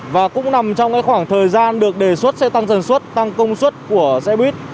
và cũng nằm trong khoảng thời gian được đề xuất sẽ tăng dần suất tăng công suất của xe buýt